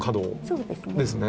そうですね。